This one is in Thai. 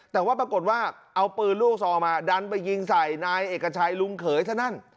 แต่ว่าปรากฏว่าเอาปืนลูกซองมาดันไปยิงใส่นายเอกชัยลุงเขยเท่านั้น